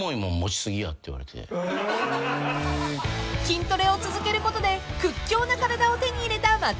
［筋トレを続けることで屈強な体を手に入れた松本さん］